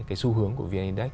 cái xu hướng của vn index